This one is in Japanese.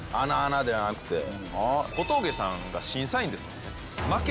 小峠さんが審査員ですもんね。